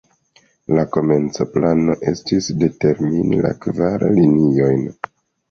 La komenca plano estis determini la kvar liniojn.